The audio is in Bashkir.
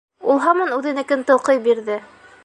Ул һаман үҙенекен тылҡый бирҙе.